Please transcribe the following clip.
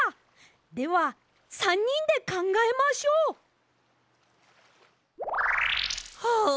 では３にんでかんがえましょう！はあ。